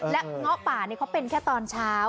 และเงาะป่าเขาเป็นแค่ตอนเช้า